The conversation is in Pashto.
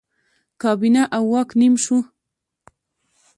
کابینه او واک نیم شو.